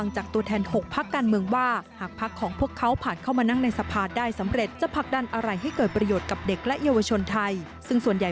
จดตอนรับบทที